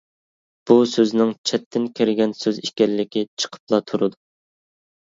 بۇ سۆزنىڭ چەتتىن كىرگەن سۆز ئىكەنلىكى چىقىپلا تۇرىدۇ.